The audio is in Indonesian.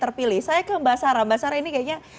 terpilih saya ke mbak sara mbak sara ini kayaknya